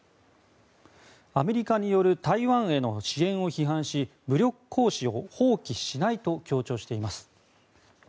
アメリカによる台湾への支援を批判し武力行使を放棄しないと強調しています。